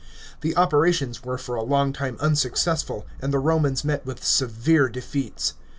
The operations were for a long time unsuccess ful, and the Romans met with severe defeats.